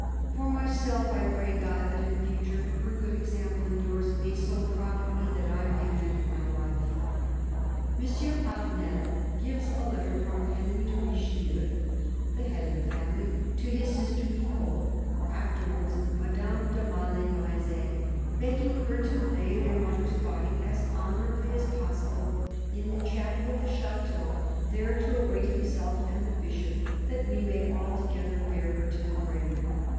... For myself, I pray God that in future her good example and yours may so profit me that I may amend my life." M. Avenel gives a letter from Henry de Richelieu, the head of the family, to his sister Nicole (afterwards Madame de Maille Breze), begging her to lay their mother's body, as honourably as possible, in the chapel of the chateau, there to await himself and the Bishop, " that we may all together bear her to the grave."